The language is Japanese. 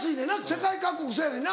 世界各国そやねんな。